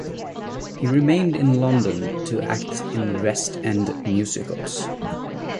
He remained in London to act in West End musicals.